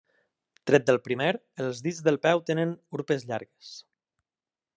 Tret del primer, els dits del peu tenen urpes llargues.